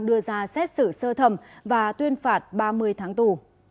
đưa ra xét xử sơ thẩm và tuyên phạt ba mươi tháng tù